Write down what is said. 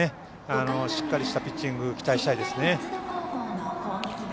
しっかりしたピッチングを期待したいですよね。